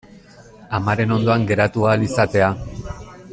Amaren ondoan geratu ahal izatea.